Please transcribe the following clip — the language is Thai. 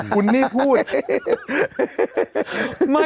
คุณนี่พูด